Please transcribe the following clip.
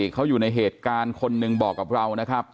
เขาอยู่ในเหตุการณ์คนหนึ่งบอกกับเรานะครับ